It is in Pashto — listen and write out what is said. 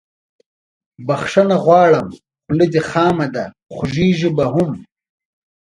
بخښنه غواړم خوله دې خامه ده خوږیږي به هم